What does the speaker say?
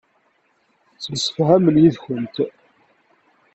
Ttemsefhamen yid-kent.